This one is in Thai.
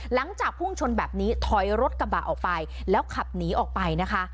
หลังจากพุ่งชนแบบนี้ถอยรถกระบะออกไปแล้วขับหนีออกไปนะคะ